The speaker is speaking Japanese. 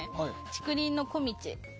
竹林の小径。